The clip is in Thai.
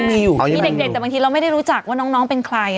มีอยู่มีเด็กแต่บางทีเราไม่ได้รู้จักว่าน้องเป็นใคร